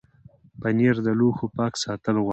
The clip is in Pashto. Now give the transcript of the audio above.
پنېر د لوښو پاک ساتل غواړي.